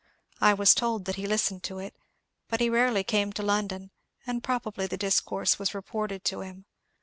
I was told that he listened to it; but he rarely came to London, and probably the discourse was reported to him.